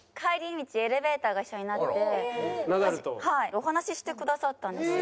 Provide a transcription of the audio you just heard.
お話ししてくださったんですよ。